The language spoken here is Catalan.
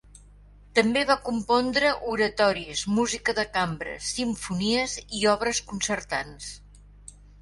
També va compondre oratoris, música de cambra, simfonies i obres concertants.